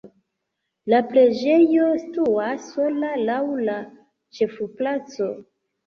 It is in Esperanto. La preĝejo situas sola laŭ la ĉefplaco.